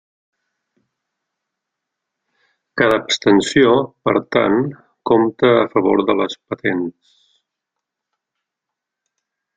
Cada abstenció, per tant, compta a favor de les patents.